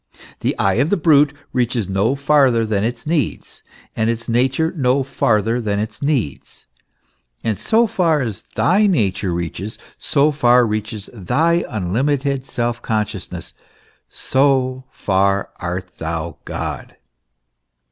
The eye of the brute reaches no farther than its needs, and its nature no farther than its needs. And so far as thy nature reaches, so far reaches thy unlimited self consciousness, so far art thou God.